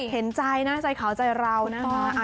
เห็นใจนะใจขาวใจเรานะคะ